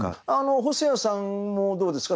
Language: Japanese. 細谷さんもどうですか？